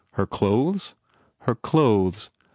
"Her clothes?" "Her clothes.